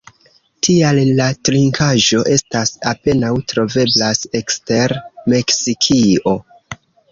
Tial la trinkaĵo estas apenaŭ troveblas ekster Meksikio.